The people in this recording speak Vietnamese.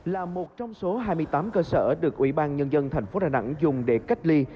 là một trong số hai mươi tám cơ sở được ủy ban nhân dân thành phố đà nẵng dùng để cách ly